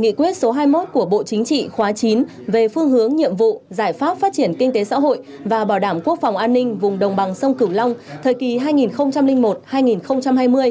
nghị quyết số hai mươi một của bộ chính trị khóa chín về phương hướng nhiệm vụ giải pháp phát triển kinh tế xã hội và bảo đảm quốc phòng an ninh vùng đồng bằng sông cửu long thời kỳ hai nghìn một hai nghìn hai mươi